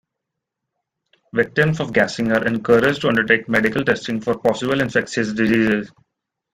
Victims of gassing are encouraged to undertake medical testing for possible infectious diseases.